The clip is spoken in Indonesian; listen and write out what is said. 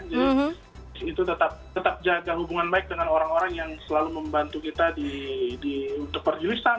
jadi itu tetap jaga hubungan baik dengan orang orang yang selalu membantu kita untuk perjulisan